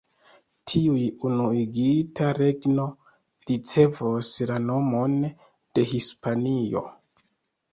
Tiu unuigita regno ricevos la nomon de Hispanio.